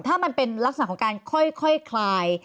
ถ้ามันเป็นลักษณะของการค่อยคลาย